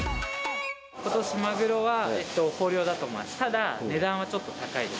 ことし、マグロは豊漁だと思います。